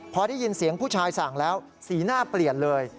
พอได้ยินเสียงผู้ชายสั่งแล้วสีหน้าเปลี่ยนเลย